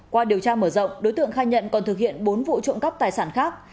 qua điều tra mở rộng đối tượng khai nhận còn thực hiện bốn vụ trộm cắp tài sản khác